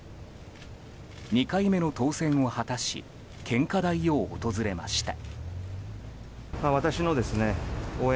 ２回目の当選を果たし献花台を訪れました。